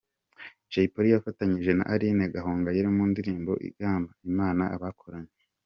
Jay Polly yafatanyije na Aline Gahongayire mu ndirimbo igimbaza Imana bakoranye.